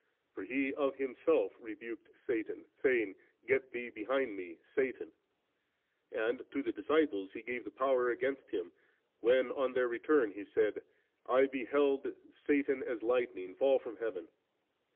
For He of Himself rebuked Satan, saying, ' Get thee behind Me, Satan ';' and to the dlisciples He gave the power against him, when on their return He said, ' I beheld Satan, as lightning, fidl from heaven*.'